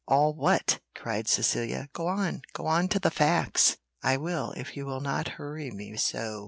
"All what?" cried Cecilia; "go on, go on to the facts." "I will, if you will not hurry me so.